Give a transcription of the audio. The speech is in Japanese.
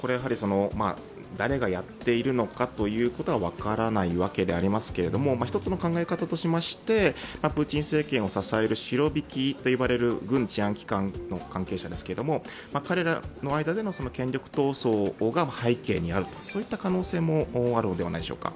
誰がやっているのかということが分からないわけでありますが、一つの考え方としましてプーチン政権を支えるシロビキと言われる軍治安機関の関係者ですけれども、彼らの間での権力闘争が背景にある、そういった可能性もあるのではないでしょうか。